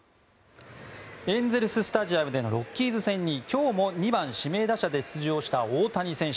エンゼル・スタジアムでのロッキーズ戦に今日も２番指名打者で出場した大谷選手。